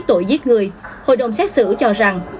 tội giết người hội đồng xét xử cho rằng